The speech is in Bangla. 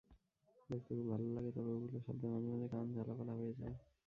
দেখতে খুব ভালো লাগে, তবে ওগুলোর শব্দে মাঝেমধ্যে কান ঝালাপালা হয়ে যায়।